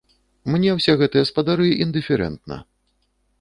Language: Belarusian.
Мне ўсе гэтыя спадары індыферэнтна.